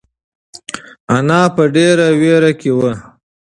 انا په ډېره وېره کې وه.